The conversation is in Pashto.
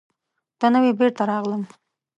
ته نه وې، بېرته راغلم.